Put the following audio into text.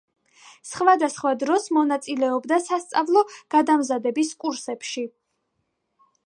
სხვადასხვა დროს მონაწილეობდა სასწავლო გადამზადების კურსებში.